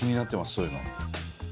そういうの。